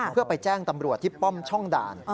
เพื่อไปแจ้งตำรวจที่ป้อมช่องด่าน